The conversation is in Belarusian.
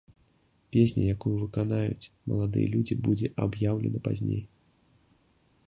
Песня, якую выканаюць маладыя людзі, будзе аб'яўлена пазней.